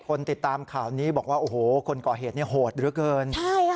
ติดตามข่าวนี้บอกว่าโอ้โหคนก่อเหตุเนี่ยโหดเหลือเกินใช่ค่ะ